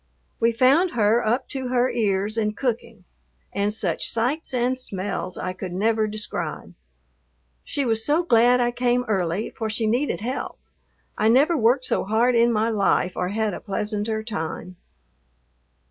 We found her up to her ears in cooking, and such sights and smells I could never describe. She was so glad I came early, for she needed help. I never worked so hard in my life or had a pleasanter time.